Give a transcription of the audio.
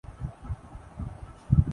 بھٹو کون ہیں؟